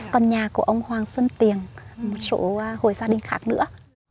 còn nhà của ông hoàng xuân tiền một số hồi gia đình khác nữa